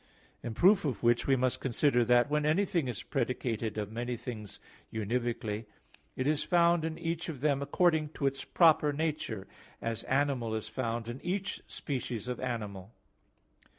In proof of which we must consider that when anything is predicated of many things univocally, it is found in each of them according to its proper nature; as animal is found in each species of animal.